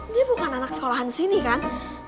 dia bukan anak sekolahan sini kan